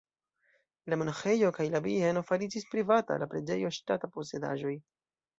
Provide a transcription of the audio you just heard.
La monaĥejo kaj la bieno fariĝis privata, la preĝejo ŝtata posedaĵoj.